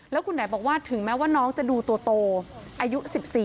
แล้วคุณไหนบอกว่าถึงแม้ว่าน้องจะดูตัวโตอายุ๑๔